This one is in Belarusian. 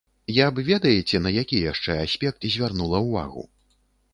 Я б ведаеце, на які яшчэ аспект звярнула ўвагу.